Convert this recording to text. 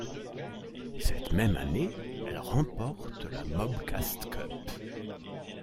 Cette même année, elle remporte la Mobcast Cup.